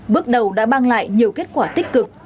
bước đầu đã mang lại nhiều kết quả tích cực